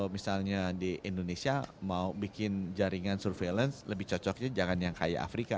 misalnya di indonesia mau bikin jaringan surveillance lebih cocoknya jangan yang kayak afrika